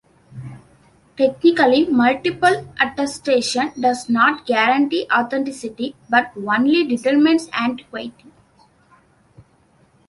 Technically, multiple attestation does not guarantee authenticity, but only determines antiquity.